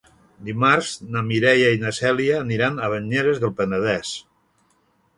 Dimarts na Mireia i na Cèlia aniran a Banyeres del Penedès.